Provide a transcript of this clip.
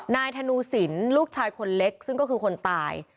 ธนูสินลูกชายคนเล็กซึ่งก็คือคนตาย